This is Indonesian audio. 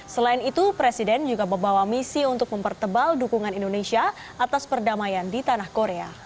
selain itu presiden juga membawa misi untuk mempertebal dukungan indonesia atas perdamaian di tanah korea